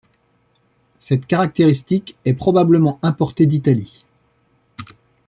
Cette caractéristique est probablement importée d'Italie.